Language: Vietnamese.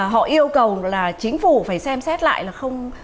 họ yêu cầu là chính phủ phải xem xét lại là không